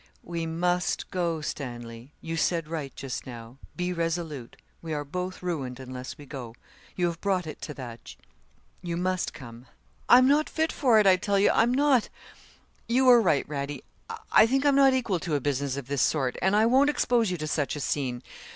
'We must go, Stanley. You said right just now; be resolute we are both ruined unless we go. You have brought it to that you must come.' 'I'm not fit for it, I tell you I'm not. You were right, Radie I think I'm not equal to a business of this sort, and I won't expose you to such a scene.